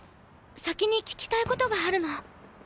先に聞きたい事があるの。